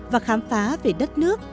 và khám phá về đất nước